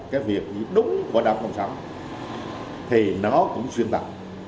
cái việc đúng của đảng cộng sản thì nó cũng xuyên tạo